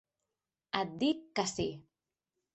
Et dic que sí.